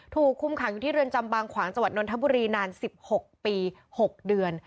ถูกคุมขังอยู่ที่เรือนจำบางขวางจังหวัดนทบุรีนาน๑๖ปี๖เดือน